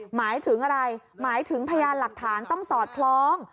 หมายถึงอะไรหมายถึงพยานหลักฐานต้องสอดคล้อง